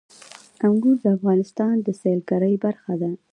انګور د افغانستان د سیلګرۍ برخه ده.